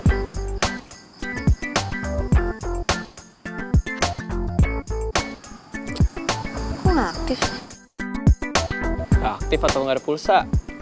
aktif atau nggak ada pulsa